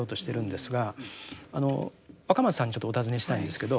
若松さんにちょっとお尋ねしたいんですけど。